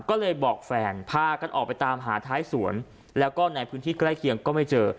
ก็เลยบอกแฟนพากันออกไปตามหาท้ายสวนแล้วก็ในพื้นที่ใกล้เคียงก็ไม่เจอ